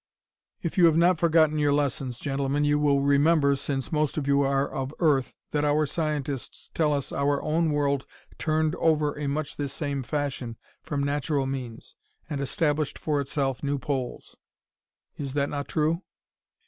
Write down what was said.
If you have not forgotten your lessons, gentlemen, you will remember, since most of you are of Earth, that our scientists tell us our own world turned over in much this same fashion, from natural means, and established for itself new poles. Is that not true?"